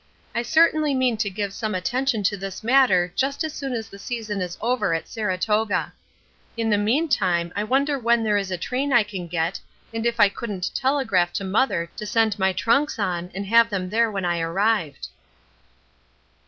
I certainly mean to give some attention to this matter just as soon as the season is over at Saratoga. In the meantime I wonder when there is a train I can get, and if I couldn't telegraph to mother to send my trunks on and have them there when I arrived."